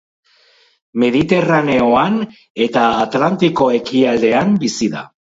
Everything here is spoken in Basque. Mediterraneoan eta Atlantiko ekialdean bizi da.